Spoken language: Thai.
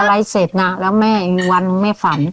อะไรเสร็จน่ะแล้วแม่อีกวันแม่ฝัน